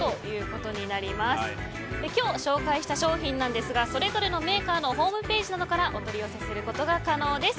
今日紹介した商品ですがそれぞれのメーカーのホームページなどからお取り寄せすることが可能です。